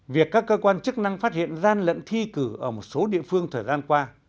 việc các cơ quan chức năng phát hiện gian lận thi cử ở một số địa phương thời gian qua